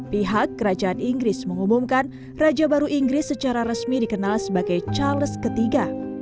pihak kerajaan inggris mengumumkan raja baru inggris secara resmi dikenal sebagai charles iii